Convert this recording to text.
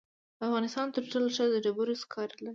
افغانستان تر ټولو ښه د ډبرو سکاره لري.